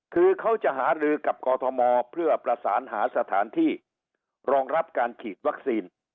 คือเขาจะหารือกับกอทมเพื่อประสานหาสถานที่รองรับการฉีดวัคซีน